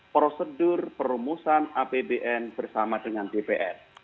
prosedur perumusan apbn bersama dengan dpr